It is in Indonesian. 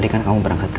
kamu tenang oke